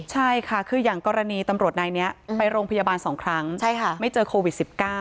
ใช่ค่ะคืออย่างกรณีตำรวจนายนี้ไปโรงพยาบาล๒ครั้งไม่เจอโควิด๑๙